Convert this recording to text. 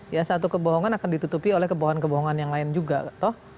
ya satu kebohongan akan ditutupi oleh kebohongan kebohongan yang lain juga toh